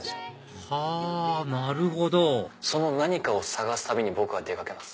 はぁなるほどその何かを探す旅に出かけます。